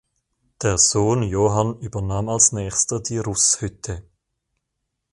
Der Sohn Johann übernahm als nächster die Rußhütte.